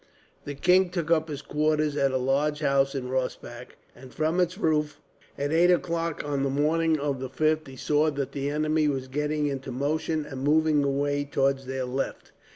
The king took up his quarters at a large house in Rossbach; and from its roof, at eight o'clock on the morning of the 5th, he saw that the enemy were getting into motion and moving away towards their left.